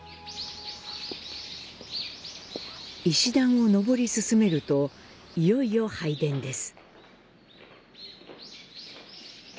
石段を上り進めるといよいよ「拝殿」です。